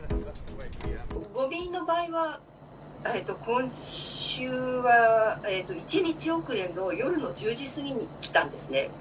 ごみの場合は、今週は１日遅れの、夜の１０時過ぎに来たんですね。